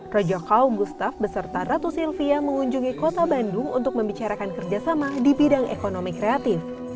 rojokow gustaf beserta ratu sylvia mengunjungi kota bandung untuk membicarakan kerjasama di bidang ekonomi kreatif